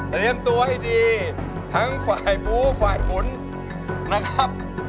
เตรียมตัวให้ดีทั้งฝ่ายบูฝ่ายฝนนะครับ